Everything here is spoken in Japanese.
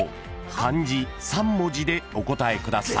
［漢字３文字でお答えください］